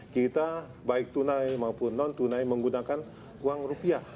kita baik tunai maupun non tunai menggunakan uang rupiah